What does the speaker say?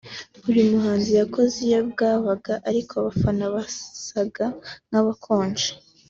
Buri muhanzi yakoze iyo bwabaga ariko abafana basaga nk’abakonje